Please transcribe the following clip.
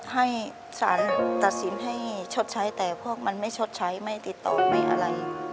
ให้สารตัดสินให้ชดใช้แต่พวกมันไม่ชดใช้ไม่ติดต่อไม่อะไร